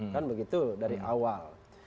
kan begitu dari awal